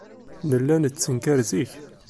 Nella nettenkar zik.